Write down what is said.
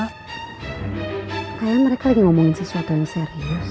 kayaknya mereka lagi ngomongin sesuatu yang serius